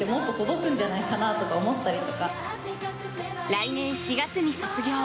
来年４月に卒業。